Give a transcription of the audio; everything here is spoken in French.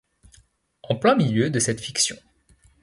en plein milieu de cette fiction.